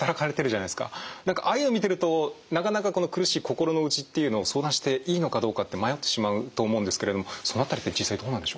何かああいうのを見てるとなかなかこの苦しい心の内っていうのを相談していいのかどうかって迷ってしまうと思うんですけれどもその辺りって実際どうなんでしょうか？